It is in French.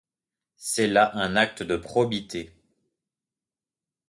C’est là un acte de probité.